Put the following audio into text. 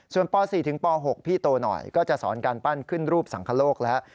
ส่วนป๔ถึงป๖พี่โตหน่อยก็จะสอนการปั้นขึ้นรูปสังคโลกแล้ว